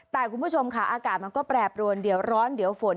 แต่คุณผู้ชมค่ะอากาศมันก็แปรปรวนเดี๋ยวร้อนเดี๋ยวฝน